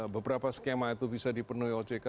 beberapa skema itu bisa dipenuhi ojk